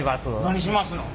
何しますの？